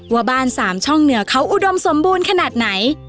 ว่าบ้านสามช่องเหนือเขาอุดมสมบูรณ์ขนาดไหน